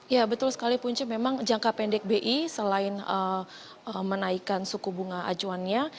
ya betul sekali punca memang jangka pendek bi selain menaikkan suku bunga acuannya